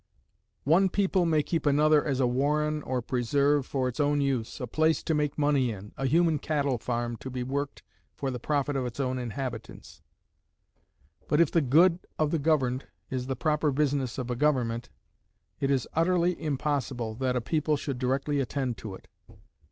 One people may keep another as a warren or preserve for its own use, a place to make money in, a human cattle farm to be worked for the profit of its own inhabitants; but if the good of the governed is the proper business of a government, it is utterly impossible that a people should directly attend to it.